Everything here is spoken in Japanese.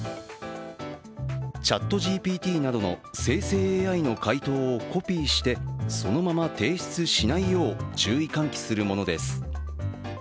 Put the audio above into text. ＣｈａｔＧＰＴなどの生成ＡＩの回答をコピーしてそのまま提出しないよう注意喚起するものです。